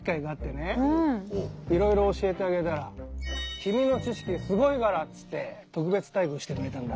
いろいろ教えてあげたら君の知識すごいからっつって特別待遇してくれたんだ。